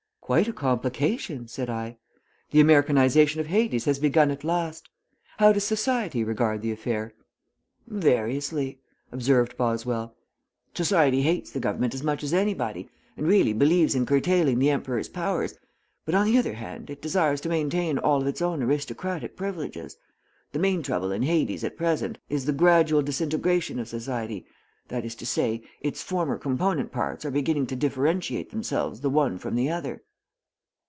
"Quite a complication," said I. "The Americanization of Hades has begun at last. How does society regard the affair?" "Variously," observed Boswell. "Society hates the government as much as anybody, and really believes in curtailing the Emperor's powers, but, on the other hand, it desires to maintain all of its own aristocratic privileges. The main trouble in Hades at present is the gradual disintegration of society; that is to say, its former component parts are beginning to differentiate themselves the one from the other."